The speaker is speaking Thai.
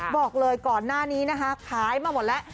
บอกเลยก่อนหน้านี้นะคะขายมาหมดแล้ว